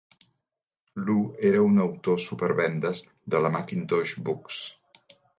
Lu era un autor supervendes de la Macintosh Books.